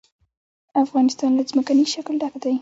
افغانستان له ځمکنی شکل ډک دی.